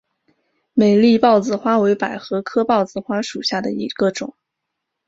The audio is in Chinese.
美丽豹子花为百合科豹子花属下的一个种。